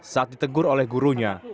saat ditegur oleh gurunya